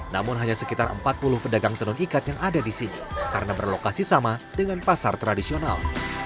namun hanya sekitar empat puluh pedagang tenun ikat yang ada di sini karena berlokasi sama dengan pasar tradisional